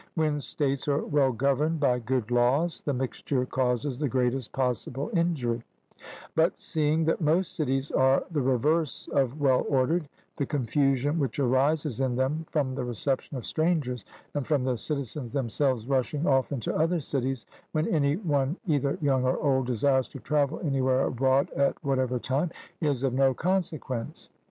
When states are well governed by good laws the mixture causes the greatest possible injury; but seeing that most cities are the reverse of well ordered, the confusion which arises in them from the reception of strangers, and from the citizens themselves rushing off into other cities, when any one either young or old desires to travel anywhere abroad at whatever time, is of no consequence.